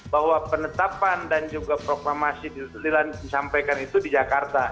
bahwa penetapan dan juga proklamasi disampaikan itu di jakarta